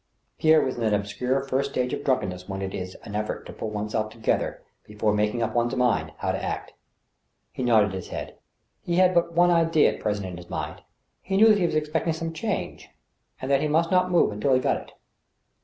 Pierre was in that obscure first stage of drunkenness when it is an effort.to pull one's self together before making up one's mind how to act. He nodded his head. He had but one idea at present in his mind. * He knew that he was expecting some change, and that he must not move until he got it.